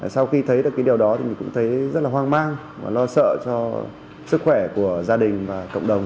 sau khi thấy được cái điều đó thì mình cũng thấy rất là hoang mang và lo sợ cho sức khỏe của gia đình và cộng đồng